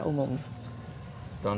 bagaimana menurut pak said secara umum